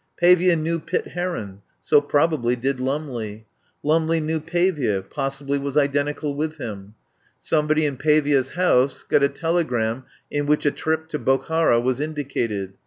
Pavia knew Pitt Heron; so probably did Lumley. Lumley knew Pavia, possibly was identical with him. Somebody in Pavia's house got a telegram in which a trip to Bokhara was indicated.